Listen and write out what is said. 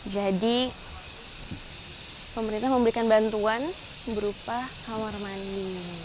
jadi pemerintah memberikan bantuan berupa kamar mandi